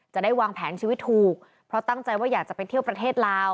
จะได้วางแผนชีวิตถูกเพราะตั้งใจว่าอยากจะไปเที่ยวประเทศลาว